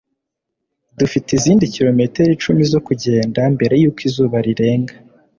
Dufite izindi kilometero icumi zo kugenda mbere yuko izuba rirenga.